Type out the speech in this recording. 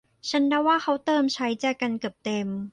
ฉันเดาว่าเขาเติมใช้แจกันเกือบเต็ม